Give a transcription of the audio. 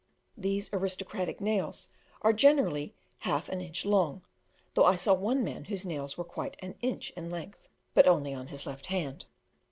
These aristocratic nails are generally half an inch long, though I saw one man whose nails were quite an inch in length, but only on his left hand.